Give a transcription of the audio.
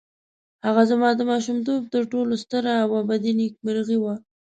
هغه زما د ماشومتوب تر ټولو ستره او ابدي نېکمرغي وه.